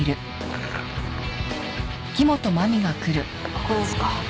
ここですか？